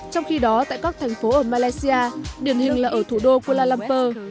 trong khi đó tại các thành phố ở malaysia điển hình là ở thủ đô kuala lumpur